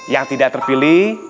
yang tidak terpilih